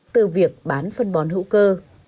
từ việc bán phân bòn hữu cơ